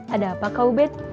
ada apa kak ubed